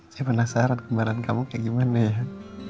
saya penasaran kemarin kamu kayak gimana ya